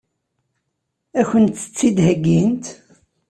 Ad kent-tt-id-heggint?